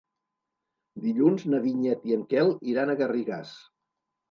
Dilluns na Vinyet i en Quel iran a Garrigàs.